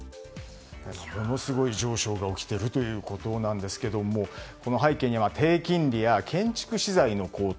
ものすごい上昇が起きているということなんですがこの背景には低金利や建築資材の高騰